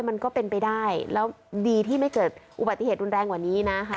มันก็เป็นไปได้แล้วดีที่ไม่เกิดอุบัติเหตุรุนแรงกว่านี้นะคะ